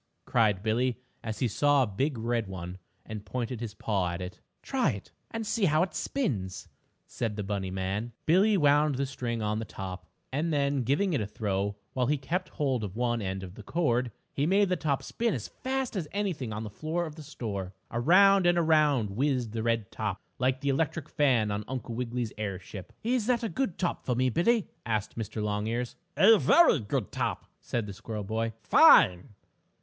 cried Billie, as he saw a big red one, and pointed his paw at it. "Try it and see how it spins," said the bunny man. Billie wound the string on the top, and then, giving it a throw, while he kept hold of one end of the cord, he made the top spin as fast as anything on the floor of the store. Around and around whizzed the red top, like the electric fan on Uncle Wiggily's airship. "Is that a good top for me, Billie?" asked Mr. Longears. "A very good top," said the squirrel boy. "Fine!"